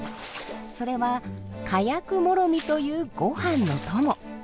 それは「かやくもろみ」というご飯の友。